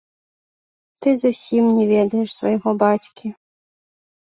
Ты зусім не ведаеш свайго бацькі.